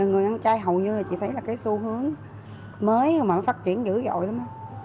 người ăn chay hầu như chỉ thấy là cái xu hướng mới mà phát triển dữ dội lắm